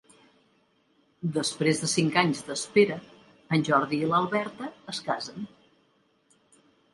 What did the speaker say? Després de cinc anys d'espera, en Jordi i l'Alberta es casen.